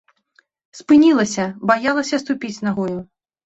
Спынілася, баялася ступіць нагою.